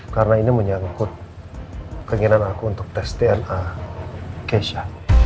karena ini menyangkut keinginan aku untuk tes tna keisha